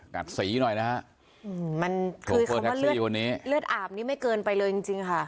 ขัดสีหน่อยนะฮะมันคือคำว่าเลือดอาบนี้ไม่เกินไปเลยจริงจริงค่ะ